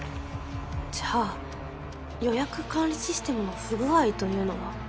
じゃあ予約管理システムの不具合というのは？